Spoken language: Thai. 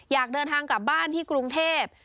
อยากเดินทางกลับบ้านที่กรุงเทพ